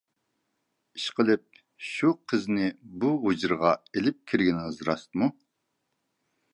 ئىشقىلىپ شۇ قىزنى بۇ ھۇجرىغا ئېلىپ كىرگىنىڭىز راستمۇ؟